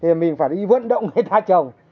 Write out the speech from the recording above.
thì mình phải đi vận động người ta trồng